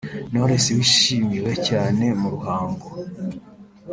Knowless wishimiwe cyane mu Ruhango